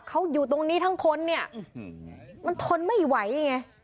เขาอยู่ตรงนี้ทั้งคนเนี่ยมันทนไม่ไหวไง